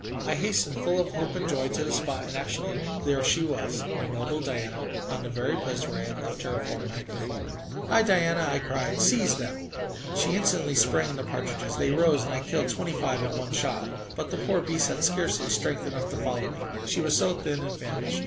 I hastened, full of hope and joy, to the spot, and actually there she was! my noble Diana on the very place where I had left her a fortnight before. "Hi, Diana!" I cried. "Seize them!" She instantly sprang the partridges; they rose, and I killed twenty five at one shot. But the poor beast had scarcely strength enough to follow me, she was so thin and famished.